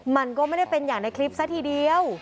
มันก็ไม่ได้เป็นอย่างในคลิปซะทีเดียว